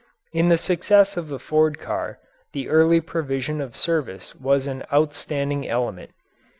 In the success of the Ford car the early provision of service was an outstanding element.